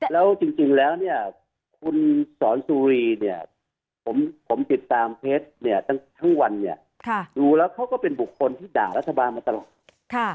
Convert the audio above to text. แล้วจริงแล้วเนี่ยคุณสอนสุรีเนี่ยผมติดตามเท็จเนี่ยทั้งวันเนี่ยดูแล้วเขาก็เป็นบุคคลที่ด่างรัฐบาลมาตลอด